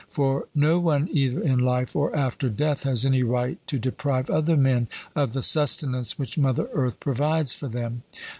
For no one either in life or after death has any right to deprive other men of the sustenance which mother earth provides for them.